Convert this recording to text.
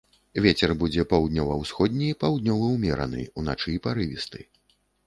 Вецер будзе паўднёва-ўсходні, паўднёвы ўмераны, уначы парывісты.